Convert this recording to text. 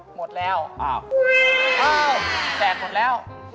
หมดแล้วแจกหมดแล้วอ้าวอ้าว